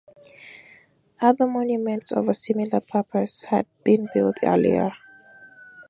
Other monuments of a similar purpose had been built earlier.